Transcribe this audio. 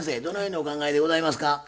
どのようにお考えでございますか？